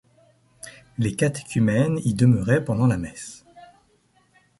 Les catéchumènes y demeuraient pendant la messe.